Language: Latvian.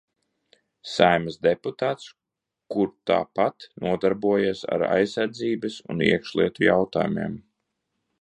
Saeimas deputāts, kur tāpat nodarbojies ar aizsardzības un iekšlietu jautājumiem.